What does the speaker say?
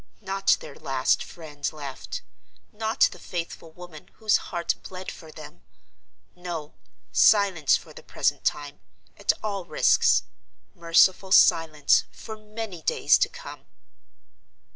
Not their last friend left; not the faithful woman whose heart bled for them. No! silence for the present time, at all risks—merciful silence, for many days to come!